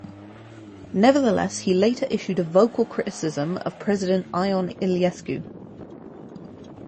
Nevertheless, he later issued a vocal criticism of President Ion Iliescu.